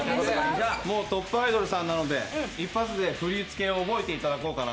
トップアイドルさんなので一発で振付を覚えていただこうかな。